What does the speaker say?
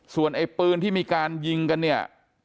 ส่วนไอ้ปืนที่มีการยิงกันเนี่ย